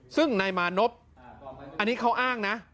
ซึ่งนายมานพอันนี้เขาอ้างนะ